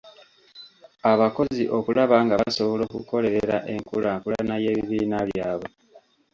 Abakozi okulaba nga basobola okukolerera enkulaakulana y’ebibiina byabwe.